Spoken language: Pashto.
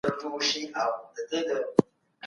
که انسان عدل وکړي ټولنه به سمه سي.